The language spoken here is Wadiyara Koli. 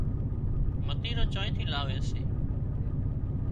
متيران چانئين ٿِي لاوي سي